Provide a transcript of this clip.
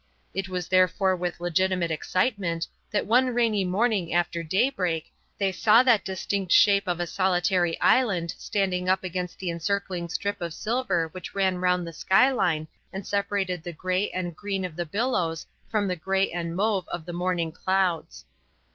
It was therefore with legitimate excitement that one rainy morning after daybreak they saw that distinct shape of a solitary island standing up against the encircling strip of silver which ran round the skyline and separated the grey and green of the billows from the grey and mauve of the morning clouds.